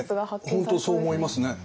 本当そう思いますね。